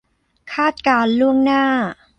คาดการณ์ล่วงหน้า